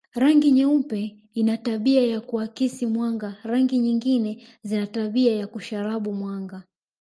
Rangi nyeupe ina tabia ya kuakisi mwanga rangi nyingine zina tabia ya kusharabu mwanga